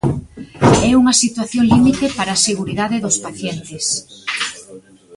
É unha situación límite para a seguridade dos pacientes.